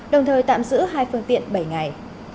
đồng thời tạm giữ hai phương tiện bảy ngày